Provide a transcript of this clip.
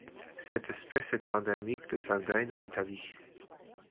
Cette espèce est endémique de Sardaigne en Italie.